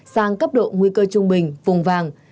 sang cấp độ nguy cơ trung bình vùng vàng